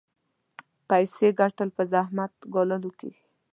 پيسې ګټل په زحمت ګاللو کېږي.